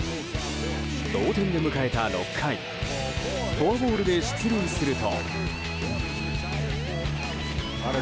同点で迎えた６回フォアボールで出塁すると。